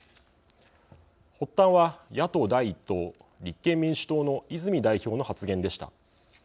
発端は野党第１党・立憲民主党の泉代表の発言でした。